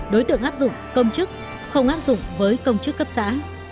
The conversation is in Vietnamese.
đối tượng áp dụng công chức không áp dụng với công chức cấp xã